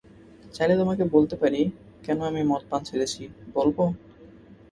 চাইলে তোমাকে বলতে পারি কেন আমি মদপান ছেড়েছি, বলব?